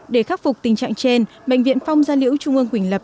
để khắc phục tình trạng trên bệnh viện phong gia liễu trung ương quỳnh lập